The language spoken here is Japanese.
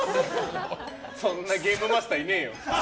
そんなゲームマスターいねえよ。